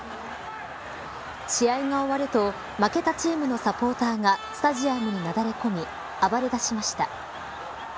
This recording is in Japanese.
試合が終わると負けたチームのサポーターがスタジアムになだれ込み暴れ出しました。